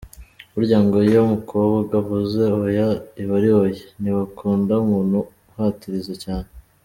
Burya ngo iyo umukobwa avuze “oya” iba ari “oya”, ntibakunda umuntu uhatiriza cyane.